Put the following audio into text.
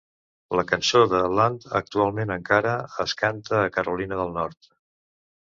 La cançó de Land actualment encara es canta a Carolina del Nord.